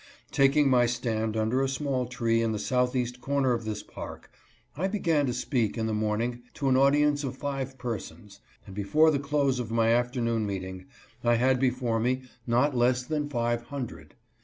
Taking my stand under a small tree in the southeast corner of this park I began to speak in the morning to an audience of five persons, and before the close of my afternoon meeting I had before me not less than five hundred.